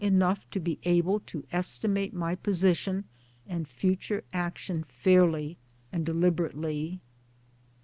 enough to be able to estimate my position and future action fairly and deliberately.